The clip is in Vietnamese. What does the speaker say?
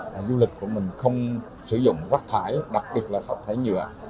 và du lịch của mình không sử dụng rác thải đặc biệt là rác thải nhựa